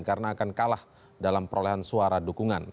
karena akan kalah dalam perolehan suara dukungan